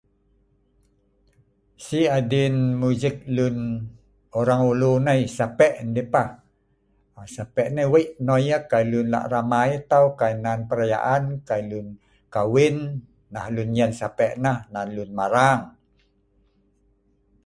Sik adin music lun orang ulu nei sape ndeh pah sape nei weik noi yeh kai lun lak ramai ai tau kai nan perayaan kai lun kahwin neh lun enyin sape neh nan lun marang